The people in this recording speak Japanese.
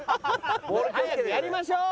早くやりましょう。